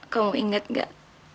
kamu ingat gak